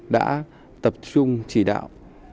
đã tập trung chỉ đạo